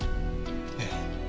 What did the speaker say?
ええ。